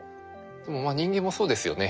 でも人間もそうですよね